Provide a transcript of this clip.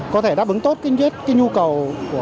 có thể đáp ứng tốt cái nhu cầu